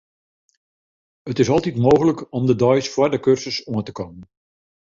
It is altyd mooglik om de deis foar de kursus oan te kommen.